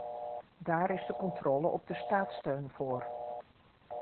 Daar is de controle op de staatssteun voor.